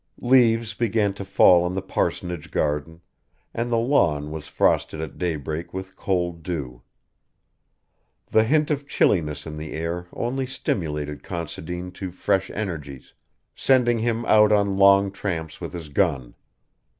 Leaves began to fall in the parsonage garden, and the lawn was frosted at daybreak with cold dew. The hint of chilliness in the air only stimulated Considine to fresh energies, sending him out on long tramps with his gun.